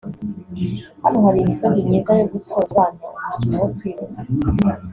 hano hari imisozi myiza yo gutoza abana umukino wo kwiruka